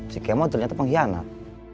si kemo ternyata pengkhianat